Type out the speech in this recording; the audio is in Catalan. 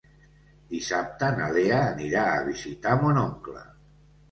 Dissabte na Lea anirà a visitar mon oncle.